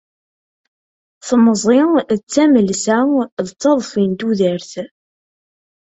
Temẓi d tamelsa, d taḍfi d tudert.